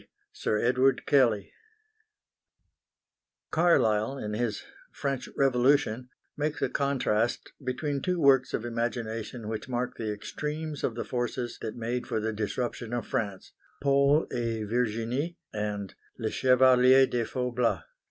SIR EDWARD KELLEY Carlyle in his French Revolution makes a contrast between two works of imagination which mark the extremes of the forces that made for the disruption of France, Paul et Virginie and Le Chevalier de Faublas.